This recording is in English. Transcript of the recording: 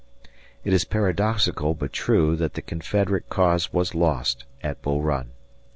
It is paradoxical but true that the Confederate cause was lost at Bull Run.